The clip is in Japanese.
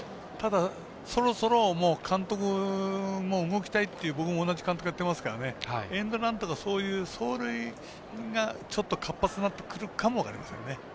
そろそろ監督も動きたいっていう僕の同じ監督してますからエンドランとかそういう走塁が活発になってくるかも分かりません。